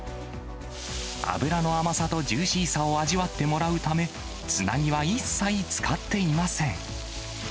脂の甘さとジューシーさを味わってもらうため、つなぎは一切使っていません。